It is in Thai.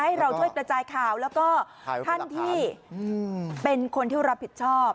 ให้เราช่วยกระจายข่าวแล้วก็ท่านที่เป็นคนที่รับผิดชอบ